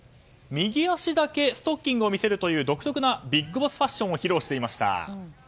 右足だけストッキングを見せる独特なビッグボスファッションを披露していました。